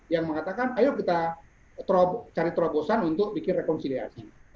yang mengatakan ayo kita cari terobosan untuk bikin rekonsiliasi